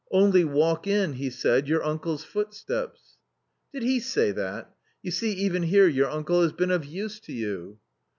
' Only walk in,' he said, ' your uncle's footsteps !'"" Did he say that ? You see even here your uncle has been of use to you